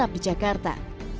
menetap di jakarta